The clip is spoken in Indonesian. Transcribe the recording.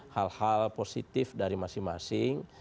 hal hal positif dari masing masing